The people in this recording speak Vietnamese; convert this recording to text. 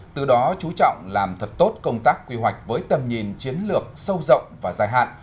từ đó chú trọng làm thật tốt công tác quy hoạch với tầm nhìn chiến lược sâu rộng và dài hạn